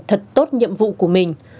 thật tốt nhiệm vụ của mình